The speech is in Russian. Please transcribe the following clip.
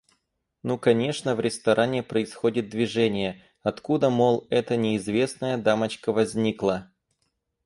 Ну конечно в ресторане происходит движение, откуда, мол, эта неизвестная дамочка возникла.